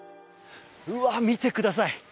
うわ、見てください。